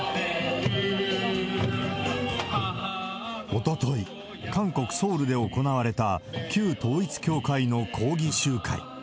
おととい、韓国・ソウルで行われた旧統一教会の抗議集会。